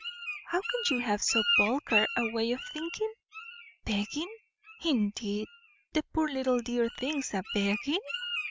How can you have so vulgar a way of thinking? Begging, indeed! the poor little dear things a begging!